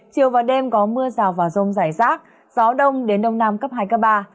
chiều và đêm có mưa rào và rông rải rác gió đông đến đông nam cấp hai cấp ba